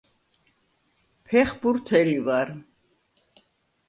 ფეხბურთელი ვარ